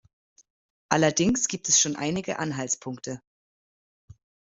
Allerdings gibt es schon einige Anhaltspunkte.